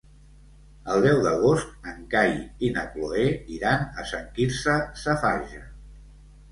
El deu d'agost en Cai i na Cloè iran a Sant Quirze Safaja.